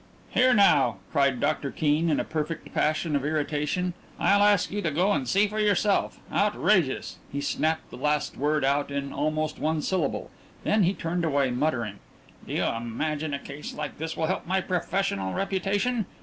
"Here now!" cried Doctor Keene in a perfect passion of irritation, "I'll ask you to go and see for yourself. Outrageous!" He snapped the last word out in almost one syllable, then he turned away muttering: "Do you imagine a case like this will help my professional reputation?